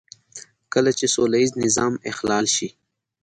کله چې سوله ييز نظم اخلال شي.